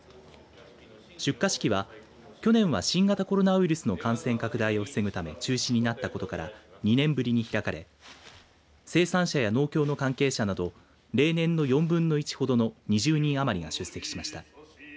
出荷式は去年は新型コロナウイルスの感染拡大を防ぐため中止になったことから２年ぶりに開かれ生産者や農協の関係者など例年の４分の１ほどの２０人余りが出席しました。